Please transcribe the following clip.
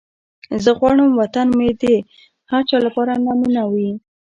زه غواړم وطن مې د هر چا لپاره نمونه وي.